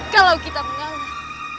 kalau kita mengalah